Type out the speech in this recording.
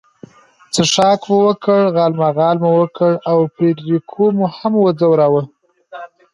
څښاک مو وکړ، غالمغال مو وکړ او فرېډریکو مو هم وځوراوه.